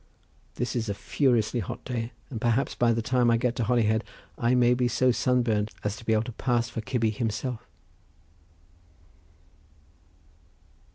This is a furiously hot day, and perhaps by the time I get to Holyhead, I may be so sun burnt as to be able to pass for Cybi himself."